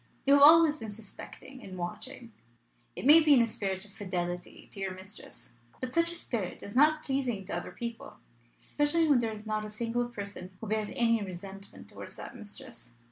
You have always been suspecting and watching. It may be in a spirit of fidelity to your mistress; but such a spirit is not pleasing to other people, especially when there is not a single person who bears any resentment towards that mistress.